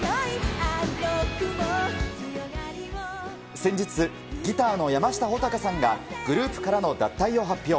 先日、ギターの山下穂尊さんが、グループからの脱退を発表。